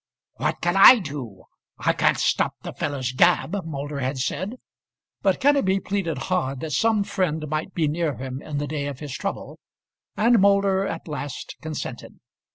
"What can I do? I can't stop the fellow's gab," Moulder had said. But Kenneby pleaded hard that some friend might be near him in the day of his trouble, and Moulder at last consented.